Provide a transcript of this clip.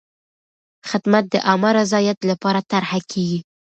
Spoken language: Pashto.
خدمت د عامه رضایت لپاره طرحه کېږي.